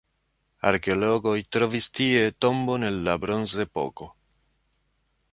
Arkeologoj trovis tie tombon el la bronzepoko.